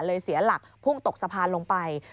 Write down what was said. เสียหลักพุ่งตกสะพานลงไป